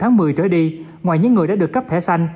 một tháng một mươi trở đi ngoài những người đã được cấp thẻ xanh